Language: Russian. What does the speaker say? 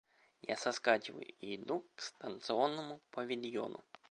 Я соскакиваю и иду к станционному павильону.